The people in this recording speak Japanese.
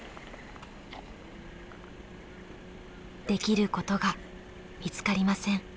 できることが見つかりません。